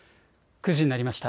９時になりました。